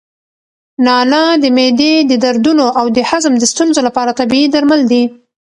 نعناع د معدې د دردونو او د هضم د ستونزو لپاره طبیعي درمل دي.